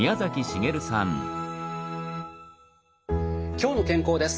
「きょうの健康」です。